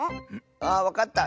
あわかった。